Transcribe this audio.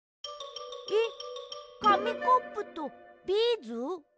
えっかみコップとビーズ？